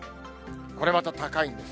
これまた高いんです。